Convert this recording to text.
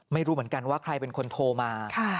ไม่รู้เหมือนกันว่าใครเป็นคนโทรมา